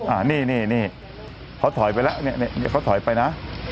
อ่านี่นี่นี่เขาถอยไปแล้วเนี่ยเนี่ยเขาถอยไปนะ